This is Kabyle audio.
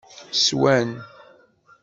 Swan.